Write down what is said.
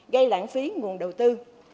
gây lãng phí nguồn đầu tư